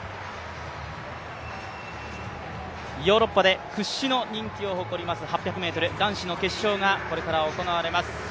ヨーロッパで屈指の人気を誇ります８００ｍ、男子の決勝がこれから行われます。